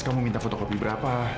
kamu minta fotokopi berapa